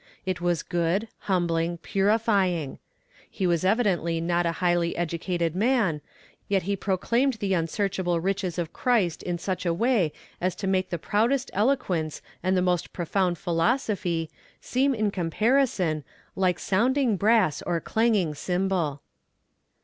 It was good, humbling, purifying. He was evidently not a highly educated man, yet he proclaimed the unsearchable riches of Christ in such a way as to make the proudest eloquence and the most profound philosophy, seem in comparison, "like sounding brass or tinkling cymbal."